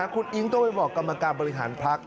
คุณอิ๊งต้องไปบอกกรรมการบริหารพัก